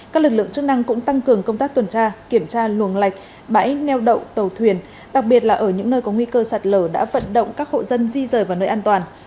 các lực lượng chức năng cũng tăng cường công tác tuần tra kiểm tra luồng lạch bãi neo đậu tàu thuyền đặc biệt là ở những nơi có nguy cơ sạt lở đã vận động các hộ dân di rời vào nơi an toàn